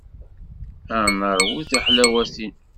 Ad neṛwu tiḥlawatin.